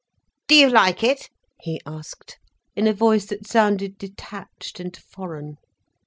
"Do you like it?" he asked, in a voice that sounded detached and foreign.